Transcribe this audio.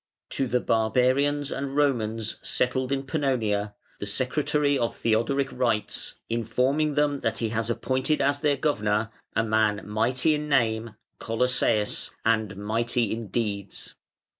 To the barbarians and Romans settled in Pannonia the secretary of Theodoric writes, informing them that he has appointed as their governor a man mighty in name (Colossæus) and mighty in deeds.